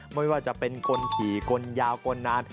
ไม่ว่าจะเป็นกลผีกลยาวกลนาน